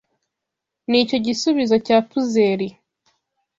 Nicyo gisubizo cya puzzle.